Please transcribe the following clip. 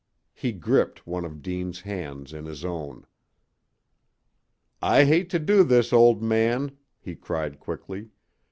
He gripped one of Deane's hands in his own. "I hate to do this, old man," he cried, quickly.